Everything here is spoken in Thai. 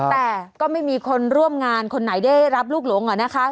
แต่ก็ไม่มีคนร่วมงานคนไหนได้รับลูกหลงนะคะ